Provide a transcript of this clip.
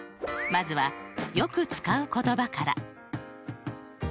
まずはよく使う言葉から。